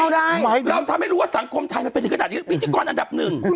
เราทำให้รู้ว่าสังคมไทยมันเป็นสิ่งเกิดอ่านดีว่าพิจิกรอันดับนึง